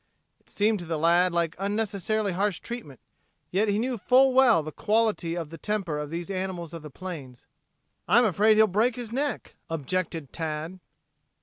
It seemed to the lad like unnecessarily harsh treatment, yet he knew full well the quality of the temper of these animals of the plains. "I'm afraid he'll break his neck," objected Tad.